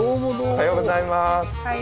おはようございます。